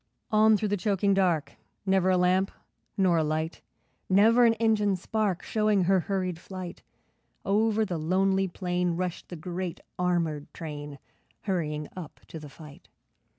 ..... On through the choking dark, Never a lamp nor a light, Never an engine spark, Showing her hurried flight. Over the lonely plain Rushed the great armoured train, Hurrying up to the fight.